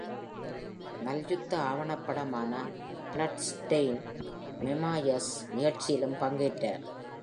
மல்யுத்த ஆவணப்படமான "பிளட்ஸ்டெய்ன் மெமாயர்ஸ்" நிகழ்ச்சியிலும் பங்கேற்றார்.